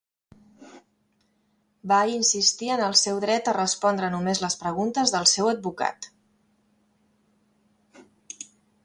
Va insistir en el seu dret a respondre només les preguntes del seu advocat.